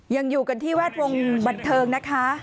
ยังอยู่กันที่แวดวงบันเทิงนะคะ